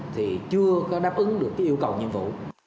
thì chưa có đáp ứng được cái yêu cầu nhiệm vụ